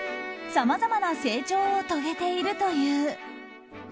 さまざまな成長を遂げているという。